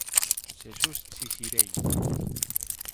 Xesús Xixirei.